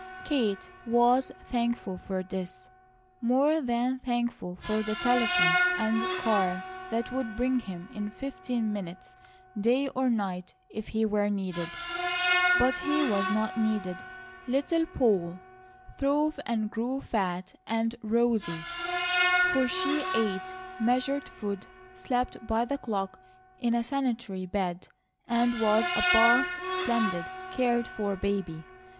Kate was thankful for this, more than thankful for the telephone and car that would bring him in fifteen minutes day or night, if he were needed. But he was not needed. Little Poll throve and grew fat and rosy; for she ate measured food, slept by the clock, in a sanitary bed, and was a bathed, splendidly cared for baby.